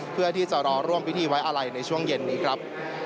เพื่อที่จะรอร่วมพิธีไว้อะไรในช่วงเย็นนี้ครับ